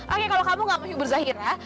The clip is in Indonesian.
oke kalau kamu nggak mau berzahira